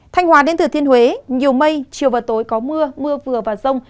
thanh hòa đến thừa thiên huế nhiều mây chiều và tối có mưa mưa vừa và rông